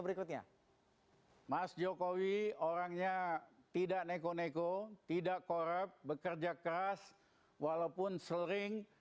berikutnya mas jokowi orangnya tidak neko neko tidak korup bekerja keras walaupun sering